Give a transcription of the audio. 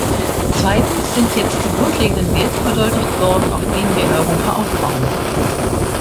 Zweitens sind jetzt die grundlegenden Werte verdeutlicht worden, auf denen wir in Europa aufbauen.